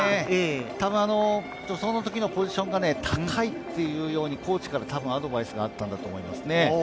多分、助走のときのポジションが高いっていうようなコーチからアドバイスがあったんだと思いますね。